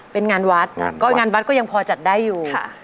เป็นงานวัดก็งานวัดก็ยังพอจัดได้อยู่